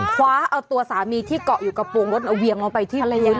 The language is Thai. คว้าเอาตัวสามีที่เกาะอยู่กระโปรงรถเอาเวียงลงไปที่ทะเล